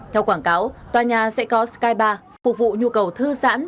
theo quảng cáo tòa nhà sẽ có sky ba phục vụ nhu cầu thư giãn